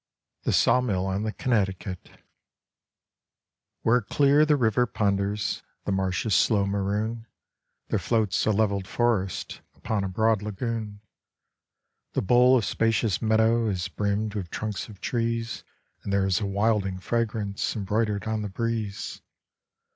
THE SAW MILL ON THE CONNECTICUT Where clear the river ponders The marshes' slow maroon, There floats a leveled forest Upon a broad lagoon. The bowl of spacious meadow Is brimmed with trunks of trees And there's a wilding fragrance Embroidered on the breeze.